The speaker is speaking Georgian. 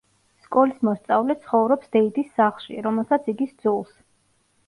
სკოლის მოსწავლე, ცხოვრობს დეიდის სახლში, რომელსაც იგი სძულს.